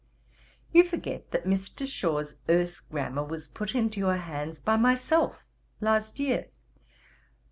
'You forget that Mr. Shaw's Erse Grammar was put into your hands by myself last year.